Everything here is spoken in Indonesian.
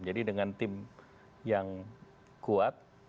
jadi dengan tim yang kuat